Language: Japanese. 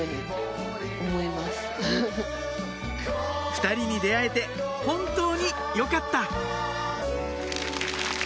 ２人に出会えて本当によかった